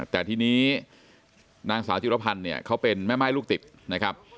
แต่ทีนี้นางสาวจิรพันธ์เนี่ยเขาเป็นแม่ม่ายลูกติดนะครับ